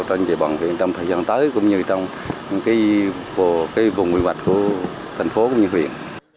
trong thời gian tới cũng như trong vùng nguy hoạch của thành phố cũng như huyện